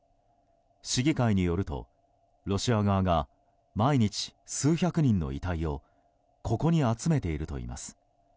市議会によるとロシア側が毎日、数百人の遺体をここに集めているといいます。